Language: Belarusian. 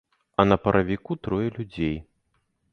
А на паравіку трое людзей.